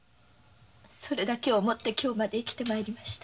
それだけを思って今日まで生きて参りました。